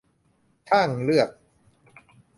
ช่างเลือก